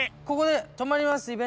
ここで止まります。